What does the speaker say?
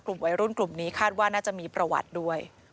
กลุ่มวัยรุ่นกลุ่มนี้คาดว่าน่าจะมีประวัติด้วย